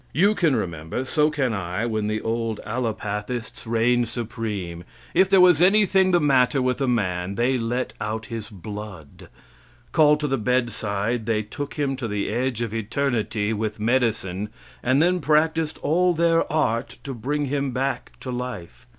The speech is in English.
You can remember, so can I, when the old alopathists reigned supreme. If there was anything the matter with a man, they let out his blood. Called to the bedside, they took him to the edge of eternity with medicine, and then practiced all their art to bring him back to life.